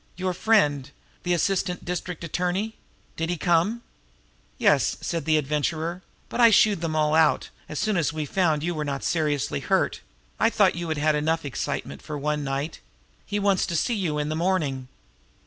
"Your friend the assistant district attorney did he come?" "Yes," said the Adventurer. "But I shooed them all out, as soon as we found you were not seriously hurt. I thought you had had enough excitement for one night. He wants to see you in the morning."